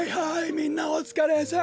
みんなおつかれさん。